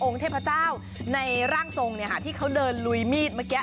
เทพเจ้าในร่างทรงที่เขาเดินลุยมีดเมื่อกี้